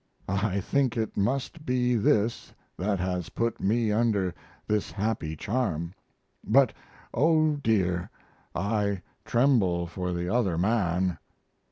I think it must be this that has put me under this happy charm; but, oh dear! I tremble for the other man!